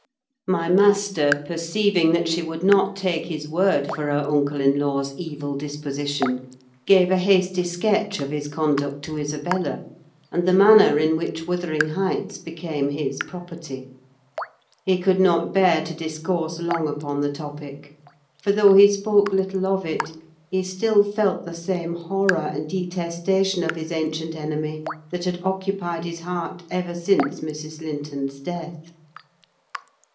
My master, perceiving that she would not take his word for her uncle in law's evil disposition, gave a hasty sketch of his conduct to Isabella, and the manner in which Wuthering Heights became his property. He could not bear to discourse long upon the topic; for though he spoke little of it, he still felt the same horror and detestation of his ancient enemy that had occupied his heart ever since Mrs. Linton's death.